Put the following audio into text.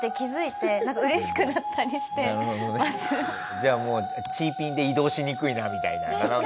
じゃあもうチーピンで移動しにくいなみたいな斜めに。